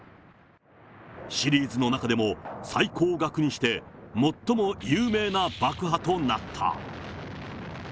シリーズの中でも、最高額にして最も有名な爆破となった。